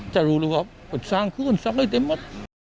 จะรู้ร่วมของขึ้นทั้งได้เต็มมัด